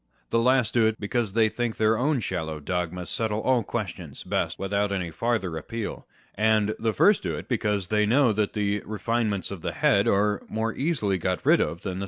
The last do it because they think their own shallow dogmas settle all questions best without any farther appeal ; and the first do it because they know that the refine ments of the head are more easily got rid of than the On Reason and Imagination.